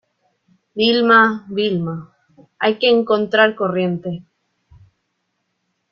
Vilma, Vilma... hay que encontrar corriente .